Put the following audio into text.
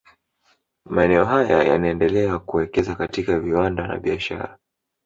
Maeneo haya yanaendelea kuwekeza katika viwanda na biashara